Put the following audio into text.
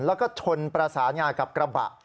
แล้วก็ชนประสานงากับกระบะ